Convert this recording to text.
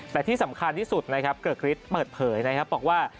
แต่ที่สำคัญที่สุดนะครับเกือกฤทธิ์เปิดเผยนะครับบอกว่า